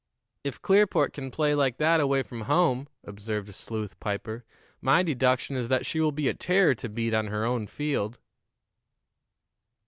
"If Clearport can play like that away from home," observed Sleuth Piper, "my deduction is that she will be a terror to beat on her own field."